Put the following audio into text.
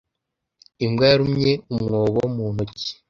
Imbwa yarumye umwobo mu ntoki.